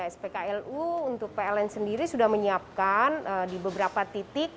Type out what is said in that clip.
spklu untuk pln sendiri sudah menyiapkan di beberapa titik